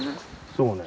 そうね。